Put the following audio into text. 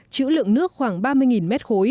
chữ lượng nước khoảng ba mươi m hai